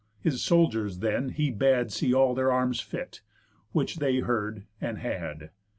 His soldiers then he bad See all their arms fit; which they heard, and had.